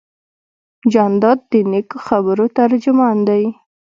جانداد د نیکو خبرو ترجمان دی.